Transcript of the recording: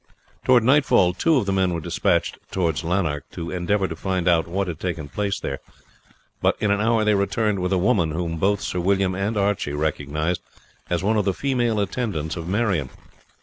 Towards nightfall two of the men were despatched towards Lanark to endeavour to find out what had taken place there; but in an hour they returned with a woman, whom both Sir William and Archie recognized as one of the female attendants of Marion.